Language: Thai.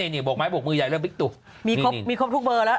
มีครบทุกเบอร์มีของทุกเบอร์ละ